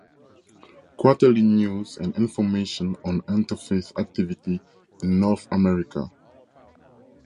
Quarterly news and information on interfaith activity in North America.